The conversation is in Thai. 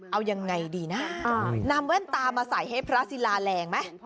เอายังไงดีนะนำแว่นตามาใส่ให้พระศิลาแรงไหม